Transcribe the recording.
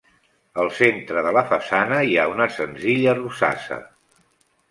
Al centre de la façana hi ha una senzilla rosassa.